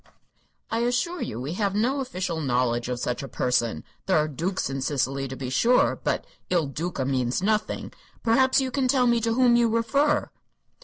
"I assure you we have no official knowledge of such a person. There are dukes in Sicily, to be sure; but 'Il Duca' means nothing. Perhaps you can tell me to whom you refer?"